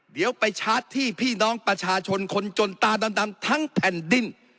เดี๋ยวไปชาร์จที่พี่น้องประชาชนคนจนตาดำทั้งแผ่นดิน